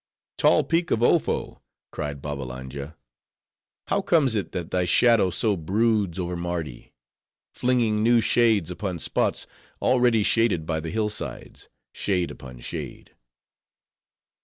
"Tall Peak of Ofo!" cried Babbalanja, "how comes it that thy shadow so broods over Mardi; flinging new shades upon spots already shaded by the hill sides; shade upon shade!"